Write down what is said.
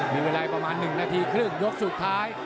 มีเวลาประมาณ๑นาทีครึ่งยกสุดท้าย